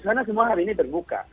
karena semua hari ini terbuka